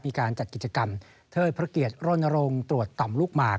มีการจัดกิจกรรมเทิดพระเกียรติรณรงค์ตรวจต่อมลูกหมาก